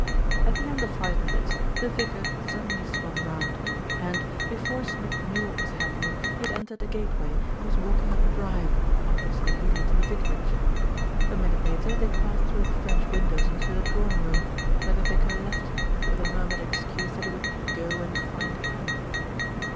At the end of five minutes, the vicar suddenly swung round and, before Smith knew what was happening, he 80 THE RETURN OF ALFRED had entered a gate way and was walking up a drive, obviously leading to the vicarage. A minute later they passed through the French win dows into the drawing room, where the vicar left him with a murmured excuse that he would "go and find Hannah."